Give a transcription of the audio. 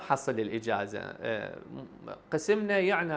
karena terdapat keadaan tertentu